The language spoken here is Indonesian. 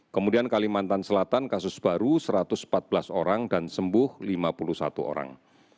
kemudian kalimantan selatan kasus baru satu ratus empat belas orang dan sembuh lima puluh satu orang